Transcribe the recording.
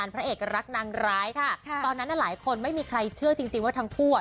เพราะพี่ผู้ชมค่ะ